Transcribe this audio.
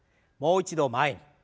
もう一度前に。